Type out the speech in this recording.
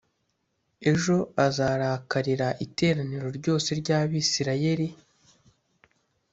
ejo azarakarira iteraniro ryose ry Abisirayeli